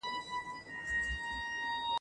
ولسي. فکري. تېروتنه